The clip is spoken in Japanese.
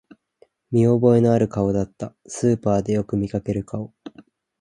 見覚えのある顔だった、スーパーでよく見かける顔